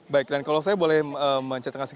baik dan kalau saya boleh mencetakkan